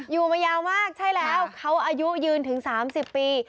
อยู่มายาวมากใช่แล้วเขาอายุยืนถึง๓๐ปี